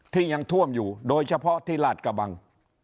ยังท่วมอยู่โดยเฉพาะที่ลาดกระบัง